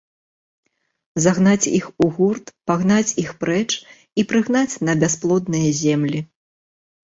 Загнаць іх у гурт пагнаць іх прэч і прыгнаць на бясплодныя землі.